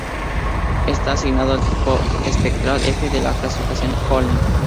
Está asignado al tipo espectral F de la clasificación Tholen.